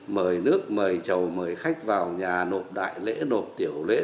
mời nước mời chầu mời khách vào nhà nộp đại lễ nộp tiểu lễ